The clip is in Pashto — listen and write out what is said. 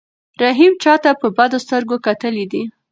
رحیم چاته په بدو سترګو کتلي دي؟